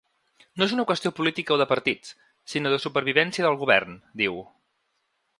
No és una qüestió política o de partits, sinó de supervivència del govern, diu.